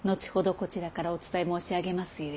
こちらからお伝え申し上げますゆえ。